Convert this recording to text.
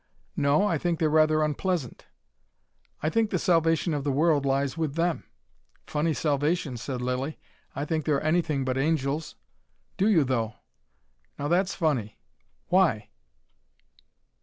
"No. I think they're rather unpleasant." "I think the salvation of the world lies with them." "Funny salvation," said Lilly. "I think they're anything but angels." "Do you though? Now that's funny. Why?"